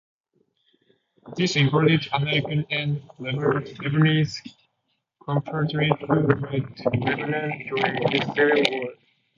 This included Armenian and Lebanese compatriots who fled Lebanon during the Civil War.